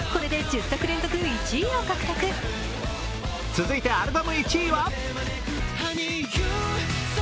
続いてアルバム１位は？